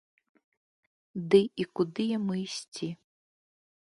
Ды і куды яму ісці?